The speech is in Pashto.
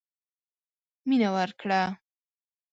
مينه ورکړه.